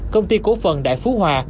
công ty cổ phần đại phú hòa